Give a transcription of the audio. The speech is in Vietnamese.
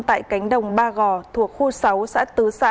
tại cánh đồng ba gò thuộc khu sáu xã tứ xã